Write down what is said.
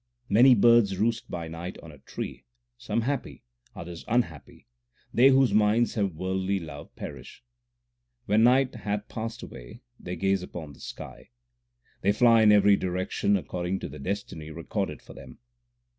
Many birds roost by night on a tree Some happy, others unhappy they whose minds have worldly love perish. When night hath passed away, they gaze upon the sky : l They fly in every direction according to the destiny recorded for them.